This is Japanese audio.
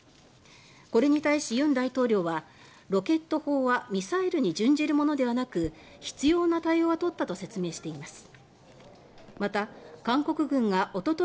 これに対し、尹大統領はロケット砲はミサイルに準じるものではなく必要な対応は取ったと説明しています。